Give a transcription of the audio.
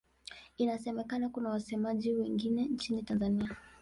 Inasemekana kuna wasemaji wengine nchini Tanzania.